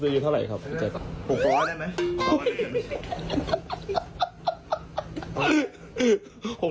๖๐๐ได้ไหม